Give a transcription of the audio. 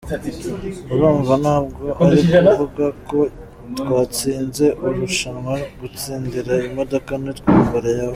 Urumva ntabwo ari ukuvuga ko twatsinze irushanwa, gutsindira iyi modoka ni tombola yabaye.